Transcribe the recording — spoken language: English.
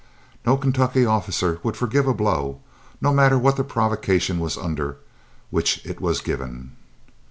No Kentucky officer would forgive a blow, no matter what the provocation was under which it was given.